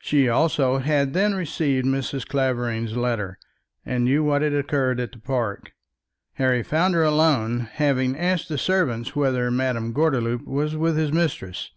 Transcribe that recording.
She also had then received Mrs. Clavering's letter, and knew what had occurred at the park. Harry found her alone, having asked the servant whether Madame Gordeloup was with his mistress.